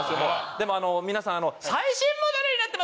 でも皆さん。